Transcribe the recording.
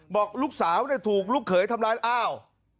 บอกลูกสาวถูกลูกเขยทำร้ายอ้าว